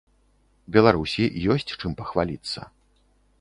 Беларусі ёсць чым пахваліцца.